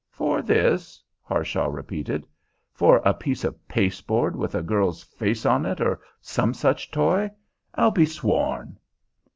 "For this," Harshaw repeated. "For a piece of pasteboard with a girl's face on it, or some such toy, I'll be sworn!"